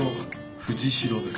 藤代です。